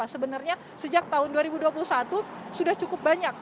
sebenarnya sejak tahun dua ribu dua puluh satu sudah cukup banyak